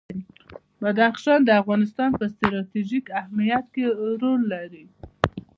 بدخشان د افغانستان په ستراتیژیک اهمیت کې رول لري.